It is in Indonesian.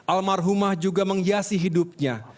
almarhumah juga menghiasi hidupnya